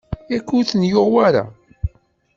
Yak ur ten-yuɣ wara?